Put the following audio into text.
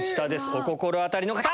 お心当たりの方！